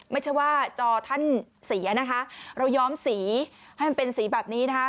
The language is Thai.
ไม่ใช่ว่าจอท่านเสียนะคะเราย้อมสีให้มันเป็นสีแบบนี้นะคะ